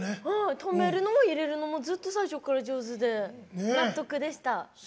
止めるのも入れるのもずっと最初から上手で納得でした。